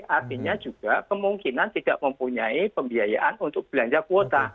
artinya juga kemungkinan tidak mempunyai pembiayaan untuk belanja kuota